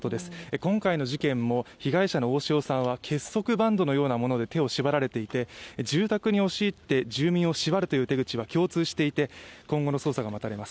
今回の事件も被害者の大塩さんは結束バンドのようなもので手を縛られていて住宅に押し入って住人を縛るという手口は共通していて今後の捜査が待たれます。